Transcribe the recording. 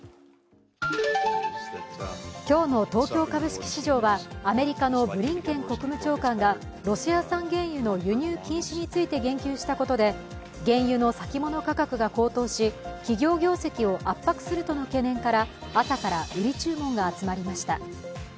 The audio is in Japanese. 今日の東京株式市場はアメリカのブリンケン国務長官がロシア産原油の輸入禁止について言及したことで原油の先物価格が高騰し、企業業績を圧迫するとの懸念から朝から売り注文が集まりました。